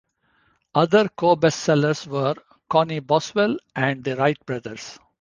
Other co-best-sellers were Connee Boswell and the Wright Brothers.